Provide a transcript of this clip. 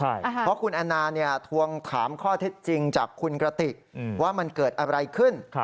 เพราะคุณแอนนาทวงถามข้อเท็จจริงจากคุณกระติกว่ามันเกิดอะไรขึ้น